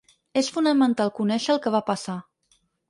És fonamental conèixer el que va passar.